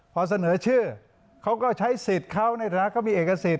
พอเสนอชื่อเขาก็ใช้สิทธิ์เขาในฐานะเขามีเอกสิทธ